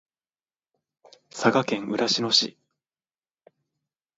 佐賀県嬉野市